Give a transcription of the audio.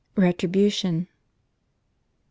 RETRIBUTION. !